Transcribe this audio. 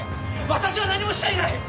私は何もしちゃいない！